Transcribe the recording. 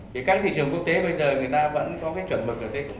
thì các thị trường quốc tế bây giờ người ta vẫn có cái chuẩn mực ở t cộng ba